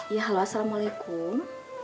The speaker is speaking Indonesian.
ya halo assalamualaikum